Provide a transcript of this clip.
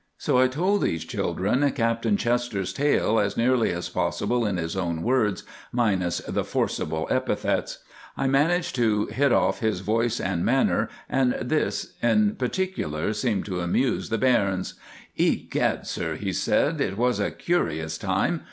So I told these children Captain Chester's tale, as nearly as possible in his own words, minus the forcible epithets. I managed to hit off his voice and manner, and this in particular seemed to amuse the bairns. "Egad, sir," he said, "it was a curious time.